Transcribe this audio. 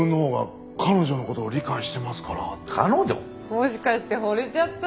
もしかして惚れちゃった？